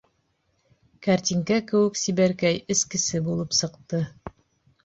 Кәртинкә кеүек сибәркәй эскесе булып сыҡты.